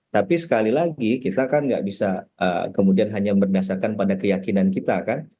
tapi sekali lagi kita kan nggak bisa kemudian hanya berdasarkan pada keyakinan kita kan